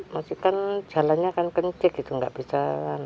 masih kan jalannya kan kencik gitu nggak bisa kan